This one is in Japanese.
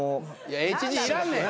ＨＧいらんねん。